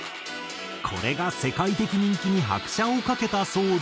これが世界的人気に拍車をかけたそうで。